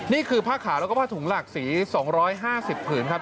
นี่คือผ้าขาวแล้วก็ผ้าถุงหลักสี๒๕๐ผืนครับ